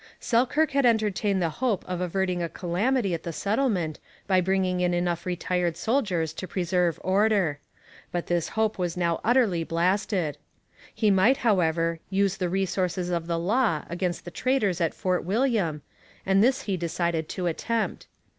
Selkirk had entertained the hope of averting a calamity at the settlement by bringing in enough retired soldiers to preserve order. But this hope was now utterly blasted. He might, however, use the resources of the law against the traders at Fort William, and this he decided to attempt.